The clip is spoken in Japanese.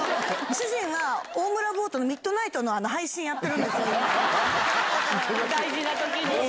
主人は、大村ボートのミッドナイトの配信やってるんですよ、今。